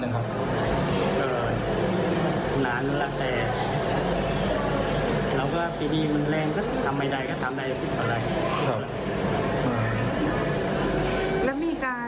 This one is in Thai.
เราก็ภาษาประโยชน์ปีมันแรงก็ถามไม่ได้ถามได้ติดกว่าไร